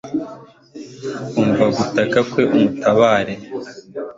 umva gutaka kwe umutabare